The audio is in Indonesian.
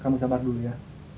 kamu sabar dulu ya